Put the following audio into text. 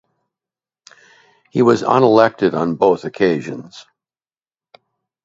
He was unelected on both occasions.